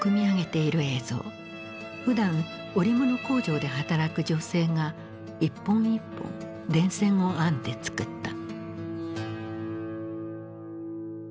ふだん織物工場で働く女性が一本一本電線を編んで作った。